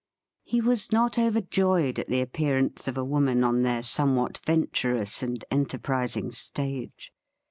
He was not overjoyed at the appearance of a woman on their somewhat venturous and enterprising stage.